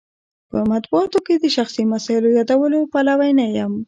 په مطبوعاتو کې د شخصي مسایلو یادولو پلوی نه یم.